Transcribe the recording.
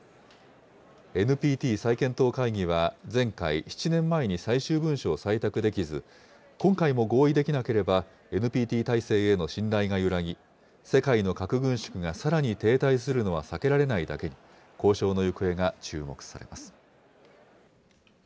ＮＰＴ再検討会議は前回・７年前に最終文書を採択できず、今回も合意できなければ、ＮＰＴ体制への信頼が揺らぎ、世界の核軍縮がさらに停滞するのは避けられないだけに、交渉の行方が注目されます。